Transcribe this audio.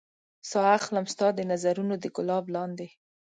ساه اخلم ستا د نظرونو د ګلاب لاندې